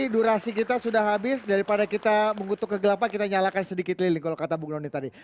durasi kita sudah habis daripada kita mengutuk kegelapan kita nyalakan sedikit lilin kalau kata bung doni tadi